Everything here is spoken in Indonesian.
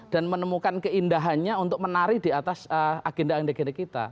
dan menemukan keindahannya untuk menari di atas agenda agenda kita